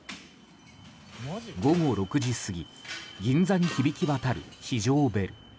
午後６時過ぎ銀座に響き渡る非常ベル。